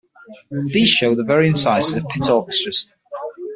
These show the varying sizes of pit orchestras.